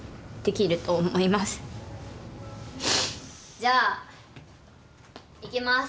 じゃあいきます。